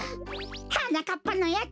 はなかっぱのやつ